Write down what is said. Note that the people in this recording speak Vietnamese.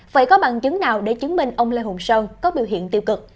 vậy có bằng chứng nào để chứng minh ông lê hồng sơn có biểu hiện tiêu cực